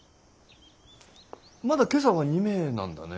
まだ今朝は２名なんだね。